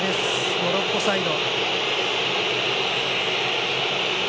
モロッコサイド。